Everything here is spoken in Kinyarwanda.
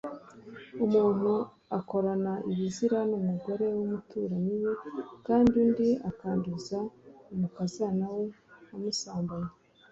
Umuntu akorana ibizira n’umugore w’umuturanyi we, kandi undi akanduza umukazana we amusambanya,